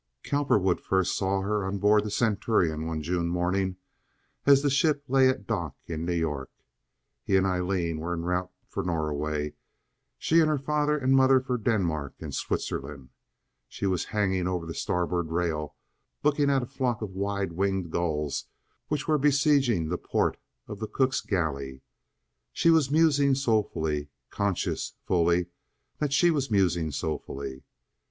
Cowperwood first saw her on board the Centurion one June morning, as the ship lay at dock in New York. He and Aileen were en route for Norway, she and her father and mother for Denmark and Switzerland. She was hanging over the starboard rail looking at a flock of wide winged gulls which were besieging the port of the cook's galley. She was musing soulfully—conscious (fully) that she was musing soulfully.